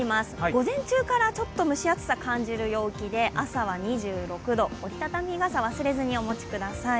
午前中からちょっと蒸し暑さ感じる陽気で朝は２６度、折り畳み傘を忘れずにお持ちください。